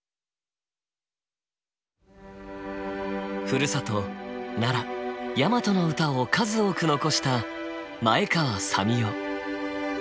ふるさと奈良大和の歌を数多く残した前川佐美雄。